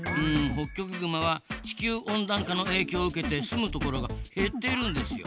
ホッキョクグマは地球温暖化の影響を受けて住むところがへっているんですよ。